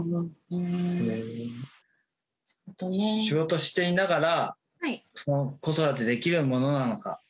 仕事していながら子育てできるものなのか？